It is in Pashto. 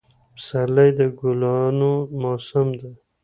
پسرلی د ګلانو موسم دی